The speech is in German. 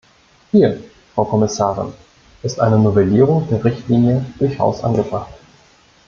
Hier, Frau Kommissarin, ist eine Novellierung der Richtlinie durchaus angebracht.